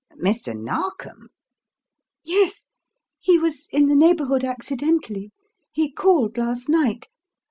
"Mr. Narkom?" "Yes. He was in the neighbourhood accidentally. He called last night.